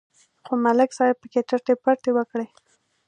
خو ملک صاحب پکې ټرتې پرتې وکړې